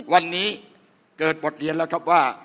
วันนี้เกิดบทเรียนแล้วครับว่า